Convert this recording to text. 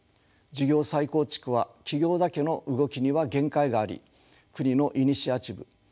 事業再構築は企業だけの動きには限界があり国のイニシアチブ